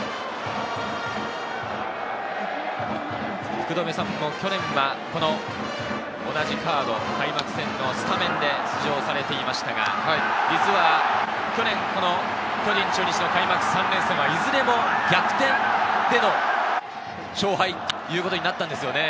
福留さんも去年は、この同じカード、開幕戦のスタメンで出場されていましたが、実は去年、この巨人・中日の開幕３連戦はいずれも逆転での勝敗ということになったんですよね。